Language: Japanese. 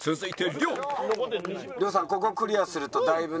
亮さんここをクリアするとだいぶね。